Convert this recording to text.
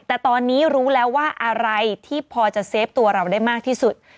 แต่ตอนนี้รู้แล้วว่าอะไรที่พอจะเซฟตัวเราได้มากที่สุด